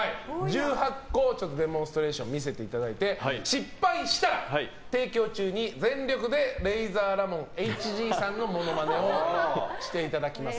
１８個をデモンストレーション見せていただいて失敗したら提供中に全力でレイザーラモンＨＧさんのモノマネをしていただきます。